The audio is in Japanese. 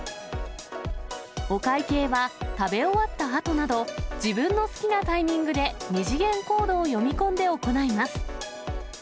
お会計は、食べ終わったあとなど、自分の好きなタイミングで２次元コードを読み込んで行います。